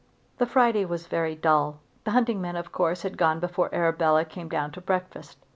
The Friday was very dull. The hunting men of course had gone before Arabella came down to breakfast.